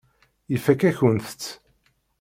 Ifakk-akent-tt.